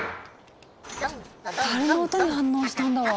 たるの音に反応したんだわ。